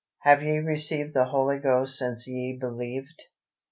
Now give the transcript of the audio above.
"HAVE YE RECEIVED THE HOLY GHOST SINCE YE BELIEVED?"